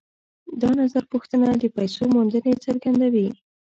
دا نظرپوښتنه د پیسو موندنې څرګندوي